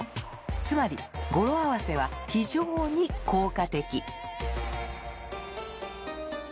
つまり語呂合わせは非常に効果的。